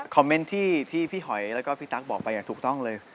คอมเม้นท์ที่พี่หอยและก็พี่ตุ๊กปชาติบอกไปอย่างถูกต้องเลย